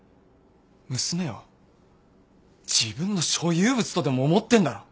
娘を自分の所有物とでも思ってんだろ。